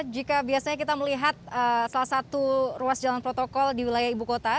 jika biasanya kita melihat salah satu ruas jalan protokol di wilayah ibu kota